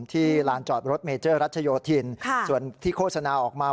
ลานจอดรถเมเจอร์รัชโยธินส่วนที่โฆษณาออกมา